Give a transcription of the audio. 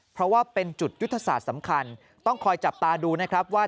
เพราะว่าเป็นจุดยุทธศาสตร์สำคัญต้องคอยจับตาดูนะครับว่า